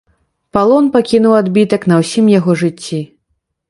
Палон пакінуў адбітак на ўсім яго жыцці.